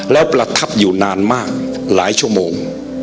แล้วประทับอยู่นานมากหลายชั่วโมง